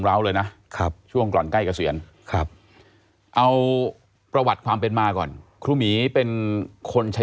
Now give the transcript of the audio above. ยาท่าน้ำขาวไทยนครเพราะทุกการเดินทางของคุณจะมีแต่รอยยิ้ม